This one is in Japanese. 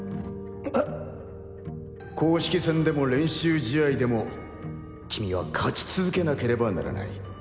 えっ公式戦でも練習試合でも君は勝ち続けなければならない。